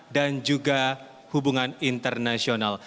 dan juga hubungan internasional